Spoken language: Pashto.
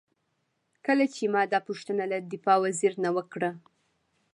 کله چې ما دا پوښتنه له دفاع وزیر نه وکړه.